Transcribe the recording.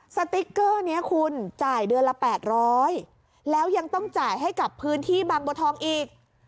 สติ๊กเกอร์นี้คุณจ่ายเดือนละ๘๐๐แล้วยังต้องจ่ายให้กับพื้นที่บางบัวทองอีก